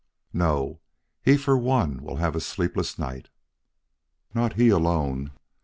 "No. He for one will have a sleepless night." "Not he alone.